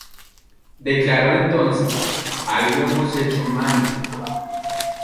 Declaró entonces: "Algo hemos hecho mal".